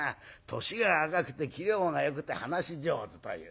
年が若くて器量がよくて話し上手という。